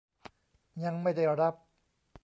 ยังไม่ได้รับ